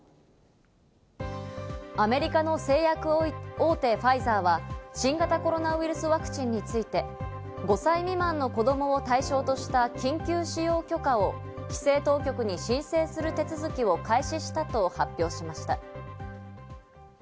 アメリカの製薬大手ファイザーは新型コロナウイルスワクチンについて５歳未満の子供を対象とした緊急使用許可を規制当局に申請する手続きを開始したと発表しました。